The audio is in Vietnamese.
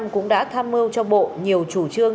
cũng đã tham mưu cho bộ nhiều chủ trương